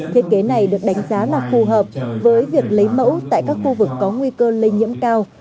thiết kế này được đánh giá là phù hợp với việc lấy mẫu tại các khu vực có nguy cơ lây nhiễm cao